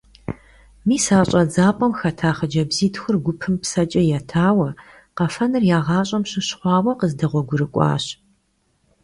Мис а щӀэдзапӀэм хэта хъыджэбзитхур гупым псэкӀэ етауэ, къэфэныр я гъащӀэм щыщ хъуауэ къыздэгъуэгурыкӀуащ.